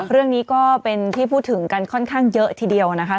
เรื่องนี้ก็เป็นที่พูดถึงกันค่อนข้างเยอะทีเดียวนะคะ